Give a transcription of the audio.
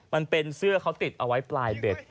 มันเป็นเสื้อเขาติดเอาไว้ปลายเบ็ด